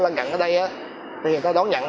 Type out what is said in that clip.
gần gần ở đây thì người ta đón nhận